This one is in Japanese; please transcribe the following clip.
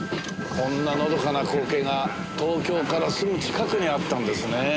こんなのどかな光景が東京からすぐ近くにあったんですね。